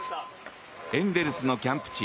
エンゼルスのキャンプ地